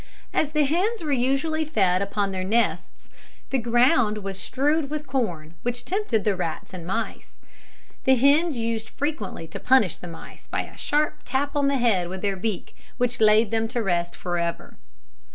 As the hens were usually fed upon their nests, the ground was strewed with corn, which tempted the rats and mice. The hens used frequently to punish the mice by a sharp tap on the head with their beak, which laid them to rest for ever.